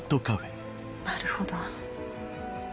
なるほど。